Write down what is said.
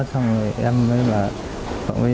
xong rồi em mới bảo